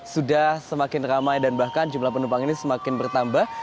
sudah semakin ramai dan bahkan jumlah penumpang ini semakin bertambah